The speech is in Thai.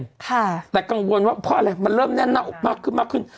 ค่ะแต่กังวลว่าเพราะอะไรมันเริ่มแน่นหน้าอกมากขึ้นมากขึ้น